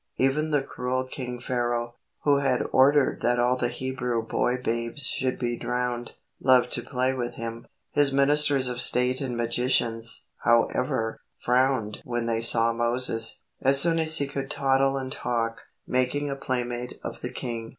Even the cruel King Pharaoh, who had ordered that all the Hebrew boy babes should be drowned, loved to play with him. His ministers of state and magicians, however, frowned when they saw Moses, as soon as he could toddle and talk, making a play mate of the king.